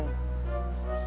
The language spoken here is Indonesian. terus kita mau gimana